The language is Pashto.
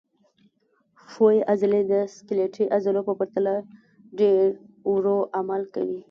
ښویې عضلې د سکلیټي عضلو په پرتله ډېر ورو عمل کوي.